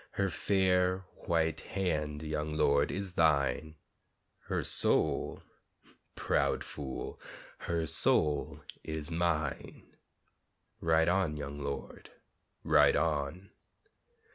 Her fair white hand, young lord, is thine, Her soul, proud fool, her soul is mine, Ride on, young lord, ride on!